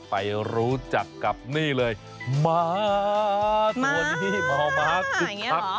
ไปรู้จักกับนี่เลยม้าตัวนี้หมอม้าคึกคัก